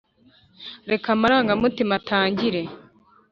reka amarangamutima atangire.